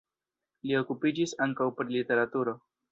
Li okupiĝis ankaŭ pri literaturo.